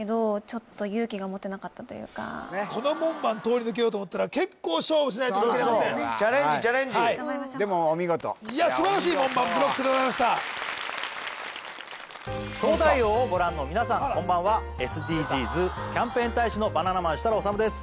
ちょっと勇気が持てなかったというかこの門番通り抜けようと思ったら結構勝負しないと抜けられませんチャレンジチャレンジでもお見事いや素晴らしい門番ブロックでございました東大王をご覧の皆さんこんばんはＳＤＧｓキャンペーン大使のバナナマン設楽統です